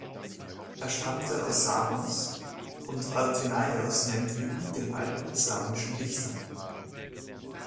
Er stammte aus Samos und Athenaios nennt ihn den ""alten samischen Dichter"".